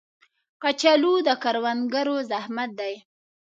کچالو د کروندګرو زحمت دی